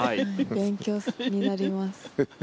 勉強になります。